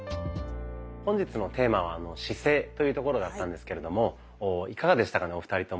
本日のテーマは「姿勢」というところだったんですけれどもいかがでしたかねお二人とも。